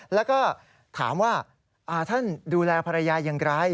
แล้วก็ถามว่าท่านดูแลภรรยาอย่างไร